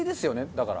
だから。